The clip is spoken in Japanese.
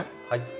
はい。